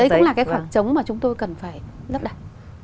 đấy cũng là cái khoảng trống mà chúng tôi cần phải lắp đặt